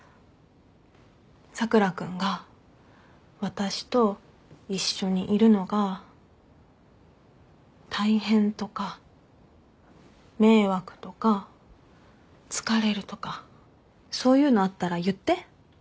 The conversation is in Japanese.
佐倉君が私と一緒にいるのが大変とか迷惑とか疲れるとかそういうのあったら言って。